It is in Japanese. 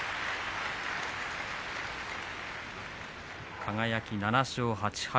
輝、７勝８敗。